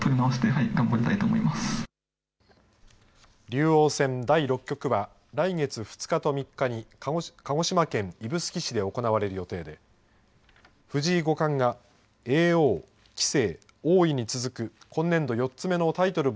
竜王戦第６局は来月２日と３日に鹿児島県指宿市で行われる予定で藤井五冠が叡王、棋聖、王位に続く今年度４つ目のタイトル